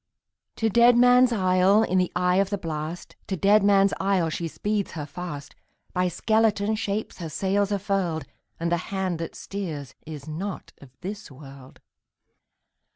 To Deadman's Isle, in the eye of the blast, To Deadman's Isle, she speeds her fast; By skeleton shapes her sails are furled, And the hand that steers is not of this world!